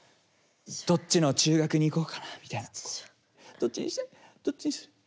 どっちにしようどっちにする。